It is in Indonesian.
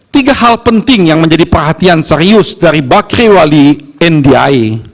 tiga hal penting yang menjadi perhatian serius dari bakriwali ndi